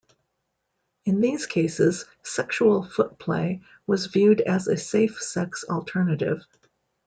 In these cases, sexual foot play was viewed as a safe-sex alternative.